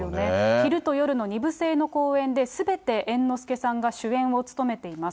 昼と夜の２部制の公演で、すべて猿之助さんが主演を務めています。